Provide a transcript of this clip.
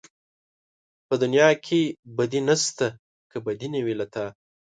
په دنيا کې بدي نشته که بدي نه وي له تا